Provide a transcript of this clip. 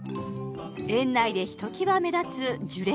園内でひときわ目立つ樹齢